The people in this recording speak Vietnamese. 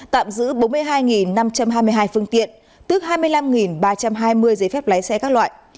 tạm giữ bốn mươi hai năm trăm hai mươi hai phương tiện tức hai mươi năm ba trăm hai mươi giấy phép lái xe các loại